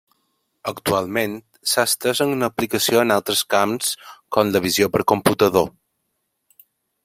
Actualment, s'ha estès en aplicació en altres camps com la visió per computador.